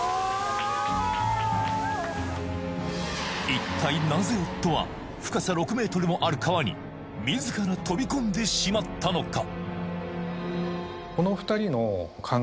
一体なぜ夫は深さ６ｍもある川に自ら飛び込んでしまったのか？